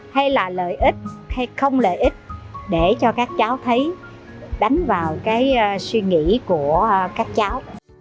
hay là lợi ích hay không lợi ích để cho các cháu thấy đánh vào cái suy nghĩ của các cháu